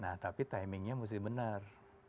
nah tapi timingnya mesti benar